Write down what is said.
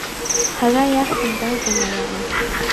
Ҳара иаҳтәым дарбан араҟа?!